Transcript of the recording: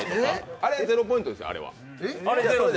あれ、ゼロポイントでしょ、あれは。